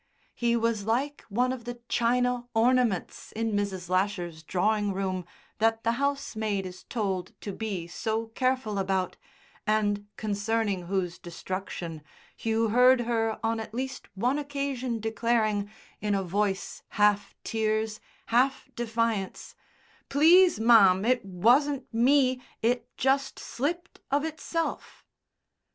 He was like one of the china ornaments in Mrs. Lasher's drawing room that the housemaid is told to be so careful about, and concerning whose destruction Hugh heard her on at least one occasion declaring, in a voice half tears, half defiance, "Please, ma'am, it wasn't me. It just slipped of itself!"